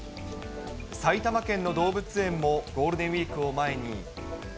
埼玉県の動物園もゴールデンウィークを前に。